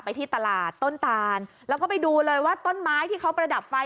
ที่ตลาดต้นตานแล้วก็ไปดูเลยว่าต้นไม้ที่เขาประดับไฟ